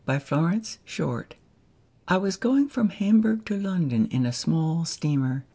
1879. ON THE SEA I WAS going from Hamburg to London in a small steamer.